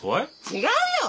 違うよ！